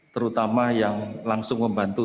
terutama yang langsung membantu